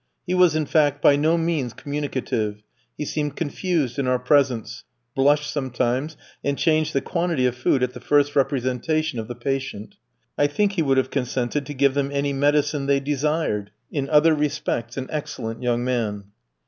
He was, in fact, by no means communicative, he seemed confused in our presence, blushed sometimes, and changed the quantity of food at the first representation of the patient. I think he would have consented to give them any medicine they desired: in other respects an excellent young man.